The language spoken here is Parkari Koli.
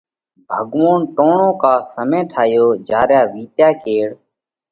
ڀڳوونَ ٽوڻو ڪا سمئي ٺايو جيا را وِيتيا ڪيڙ